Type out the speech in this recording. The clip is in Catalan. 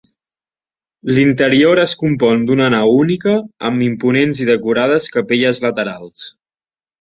L'interior es compon d'una nau única, amb imponents i decorades capelles laterals.